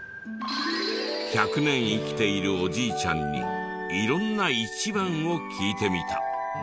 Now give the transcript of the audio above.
１００年生きているおじいちゃんに色んな一番を聞いてみた。